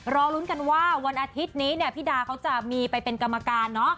รอลุ้นกันว่าวันอาทิตย์นี้เนี่ยพี่ดาเขาจะมีไปเป็นกรรมการเนอะ